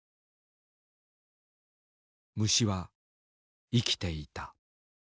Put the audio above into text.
虫は生きていた。